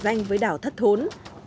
dành với đào thất hốn